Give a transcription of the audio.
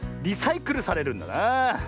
リサイクルされるんだなあ。